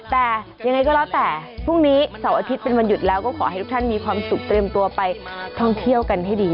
แต่ยังไงก็แล้วแต่พรุ่งนี้เสาร์อาทิตย์เป็นวันหยุดแล้วก็ขอให้ทุกท่านมีความสุขเตรียมตัวไปท่องเที่ยวกันให้ดี